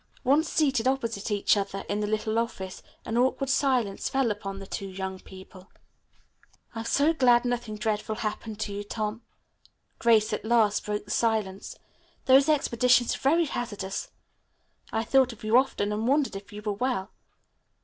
Once seated opposite each other in the little office, an awkward silence fell upon the two young people. "I am so glad nothing dreadful happened to you, Tom." Grace at last broke the silence. "Those expeditions are very hazardous. I thought of you often and wondered if you were well."